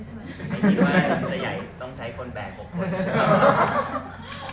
ไม่คิดว่าจะใหญ่ต้องใช้คนแบกผม